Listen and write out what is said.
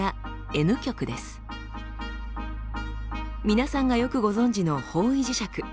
皆さんがよくご存じの方位磁石。